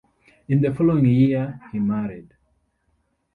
In the following year he married.